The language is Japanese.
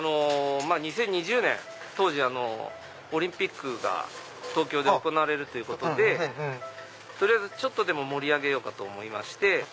２０２０年当時オリンピックが東京で行われるということで取りあえずちょっとでも盛り上げようかと思いまして。